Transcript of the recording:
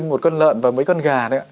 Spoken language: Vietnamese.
một con lợn và mấy con gà đấy ạ